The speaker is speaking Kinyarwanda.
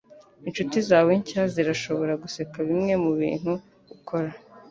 Inshuti zawe nshya zirashobora guseka bimwe mubintu ukora